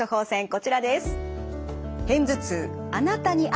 こちらです。